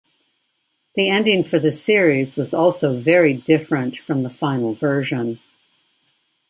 The ending for the series was also very different from the final version.